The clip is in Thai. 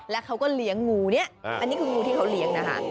แล้วเขาก็เลี้ยงงูเนี่ยอันนี้คืองูที่เขาเลี้ยงนะคะ